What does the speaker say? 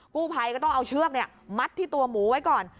กู้ภัยก็ต้องเอาเชือกมัดที่ตัวหมูไว้ก่อน